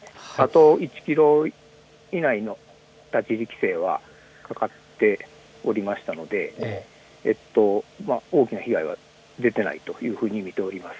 １キロ以内の立ち入り規制はかかっておりましたので大きな被害は出ていないというふうに見ております。